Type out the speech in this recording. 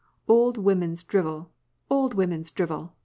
Old women's drivel ! old women's drivel